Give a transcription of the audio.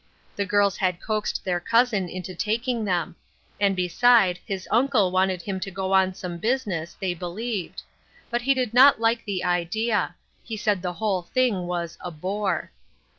The girls had coaxed their cousin into taking them ; and beside, his uncle wanted him to go on some business, they believed ; but he did not like the idea ; he said the whole thing was a " bore."